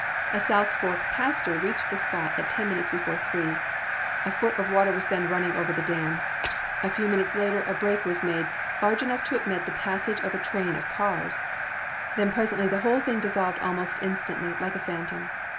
A South Fork pastor reached the spot at ten minutes before three. A foot of water was then running over the dam. A few minutes later a break was made "large enough to admit the passage of a train of cars;" then presently the whole thing dissolved almost instantly, like a phantom.